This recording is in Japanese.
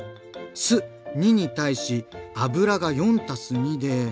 酢２に対し油が４たす２で。